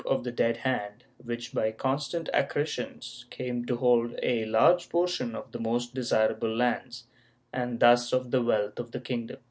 II] THE B VRDEN OF THE CHURCH 489 Dead Hand which, by constant accretions, came to hold a large portion of the most desirable lands and thus of the wealth of the kingdom.